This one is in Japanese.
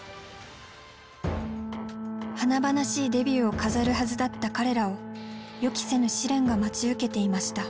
華々しいデビューを飾るはずだった彼らを予期せぬ試練が待ち受けていました。